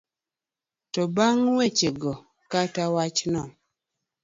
To bang'e, wechego kata wachno